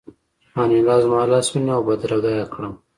انیلا زما لاس ونیو او بدرګه یې کړم